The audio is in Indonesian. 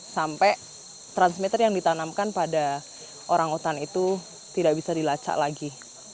sampai transmitter yang ditanamkan pada orang utan itu tidak bisa dilacak lagi